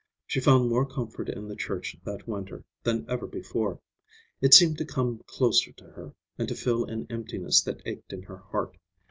She found more comfort in the Church that winter than ever before. It seemed to come closer to her, and to fill an emptiness that ached in her heart.